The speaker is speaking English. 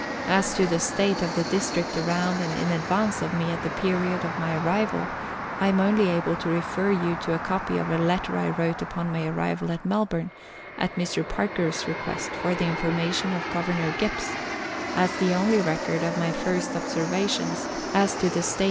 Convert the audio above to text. As to the state of the district around and in advance of me at the period of my arrival, I am only able to refer you to a copy of a letter I wrote upon my arrival at Mel bourne, at Mr. Parker's request, for the information of Governor Gipps, as the only record of my first observations as to the state Letters from Victorian Pioneers.